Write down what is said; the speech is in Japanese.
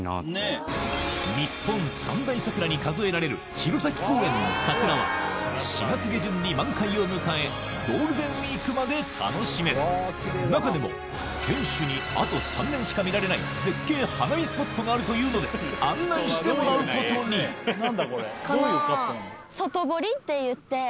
日本三大桜に数えられる弘前公園の桜は４月下旬に満開を迎えゴールデンウイークまで楽しめる中でも天守にあと３年しか見られない絶景花見スポットがあるというので案内してもらうことにこの外濠っていって。